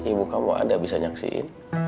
ibu kamu anda bisa nyaksiin